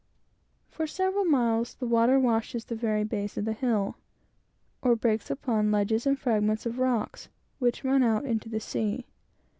For several miles the water washes the very base of the hill, or breaks upon ledges and fragments of rocks which run out into the sea.